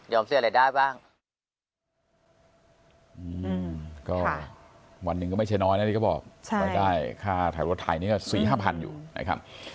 ยอมเสื้ออะไรได้บ้าง